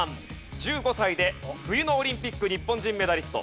１５歳で冬のオリンピック日本人メダリスト。